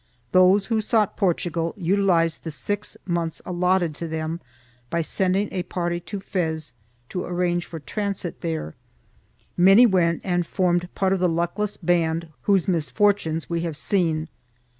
Those who sought Portugal utilized the six months allotted to them by sending a party to Fez to arrange for transit there ; many went and formed part of the luckless band whose misfortunes we have seen.